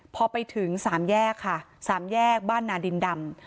พอไปถึงสามแยกค่ะสามแยกบ้านนาดินดำ